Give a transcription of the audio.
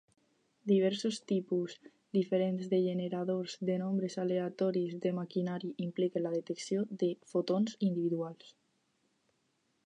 Diversos tipus diferents de generadors de nombres aleatoris de maquinari impliquen la detecció de fotons individuals.